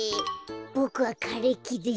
ボクはかれきです。